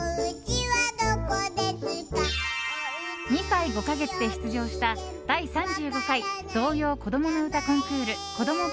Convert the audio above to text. ２歳５か月で出場した第３５回童謡こどもの歌コンクールこども